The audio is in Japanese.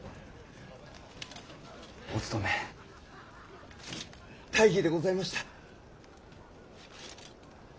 お務め大儀でございました。